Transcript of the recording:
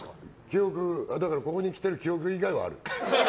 だから、ここに来てる記憶以外はある。